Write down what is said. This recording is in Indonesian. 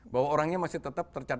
bahwa orangnya masih tetap tercatat